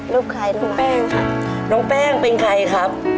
รูปใครน้องมันน้องแป้งค่ะน้องแป้งเป็นใครครับ